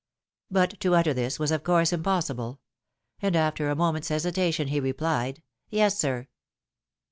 But to utter this, was of course impossible ; and after a moment's hesitation, he rephed, " Yes, sir."